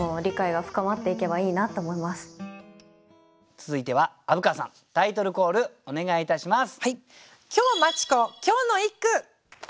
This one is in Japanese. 続いては虻川さんタイトルコールお願いいたします。